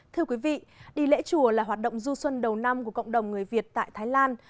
thưa quý vị đi lễ chùa là hoạt động du xuân đầu năm của cộng đồng người việt tại thái lan